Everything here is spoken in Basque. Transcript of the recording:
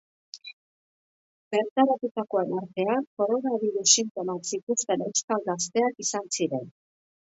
Bertaratutakoen artean, koronabirus sintomak zituzten euskal gazteak izan ziren.